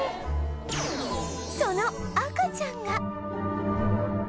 その赤ちゃんが